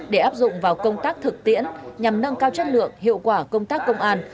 để áp dụng vào công tác thực tiễn nhằm nâng cao chất lượng hiệu quả công tác công an